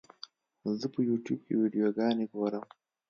زه په یوټیوب کې ویډیوګانې ګورم.